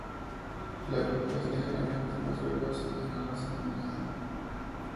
La grupa es ligeramente más verdosa en la raza nominada.